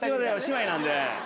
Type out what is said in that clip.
姉妹なんで。